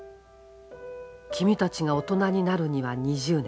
「君たちが大人になるには２０年。